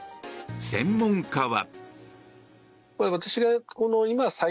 専門家は。